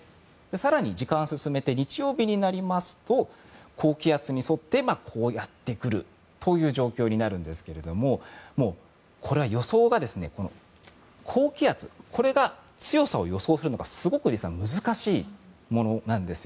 更に時間を進めて日曜日になりますと高気圧に沿って、こうやって来るという状況になるんですけどこれは予想が高気圧の強さを予想するのがすごく難しいものなんですよ。